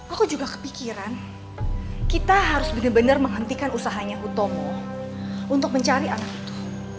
aku juga kepikiran kita harus benar benar menghentikan usahanya hutomo untuk mencari anak itu